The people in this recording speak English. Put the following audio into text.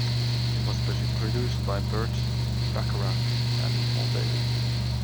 It was produced by Burt Bacharach and Hal David.